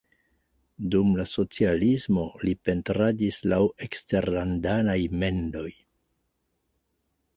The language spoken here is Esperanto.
Dum la socialismo li pentradis laŭ eksterlandaj mendoj.